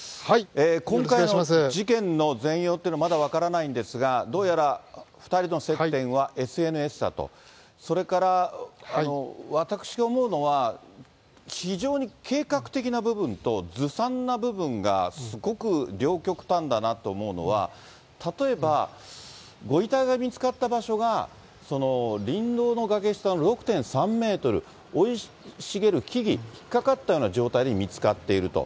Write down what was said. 今回の事件の全容っていうのはまだ分からないんですが、どうやら、２人の接点はＳＮＳだと、それから私が思うのは、非常に計画的な部分とずさんな部分がすごく両極端だなと思うのは、例えばご遺体が見つかった場所が、林道の崖下の６．３メートル、生い茂る木々に引っ掛かったような状態で見つかっていると。